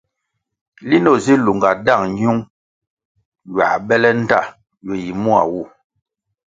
Linʼ o si lunga dang nyiung ywā bele ndta ywe yi mua wu.